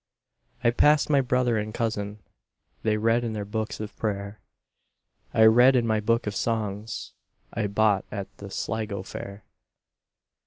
I passed my brother and cousin:They read in their books of prayer;I read in my book of songsI bought at the Sligo fair.